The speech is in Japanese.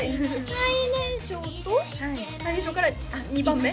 最年少と最年少から２番目？